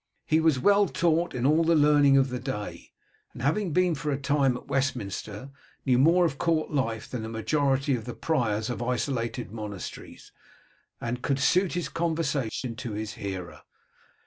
He was well taught in all the learning of the day, and having been for a time at Westminster, knew more of court life than the majority of the priors of isolated monasteries, and could suit his conversation to his hearer.